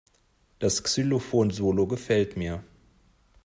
Das Xylophon-Solo gefällt mir.